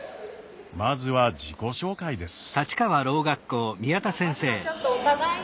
まずは自己紹介です。